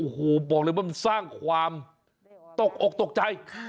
โอ้โหบอกเลยว่ามันสร้างความตกอกตกใจ